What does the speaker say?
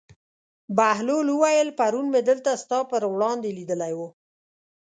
بهلول وویل: پرون مې دلته ستا پر وړاندې لیدلی و.